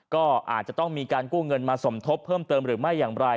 ก็อาจจะต้องมีการกู้เงินมาสมทบเพิ่มเติมหรือไม่อย่างไร